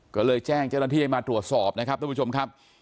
ก็เลยแจ้งเจ้าหน้าที่ให้มาตรวจสอบนะครับทุกผู้ชมครับ